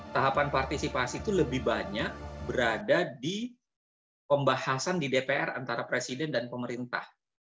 tahapan partisipasi itu lebih banyak berada di pembahasan di dpr antara presiden dan pemerintah